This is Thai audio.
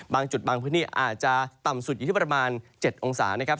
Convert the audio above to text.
บางจุดบางพื้นที่อาจจะต่ำสุดอยู่ที่ประมาณ๗องศานะครับ